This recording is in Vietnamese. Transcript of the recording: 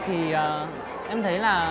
thì em thấy là